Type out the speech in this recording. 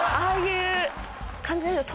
ああいう感じで。